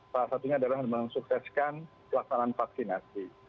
salah satunya adalah untuk mengukseskan pelaksanaan vaksinasi